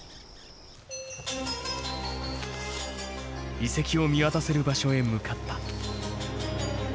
遺跡を見渡せる場所へ向かった。